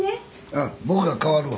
あ僕が代わるわ。